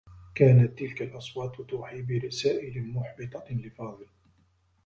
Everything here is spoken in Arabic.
كانت تلك الأصوات توحي برسائل محبطة لفاضل.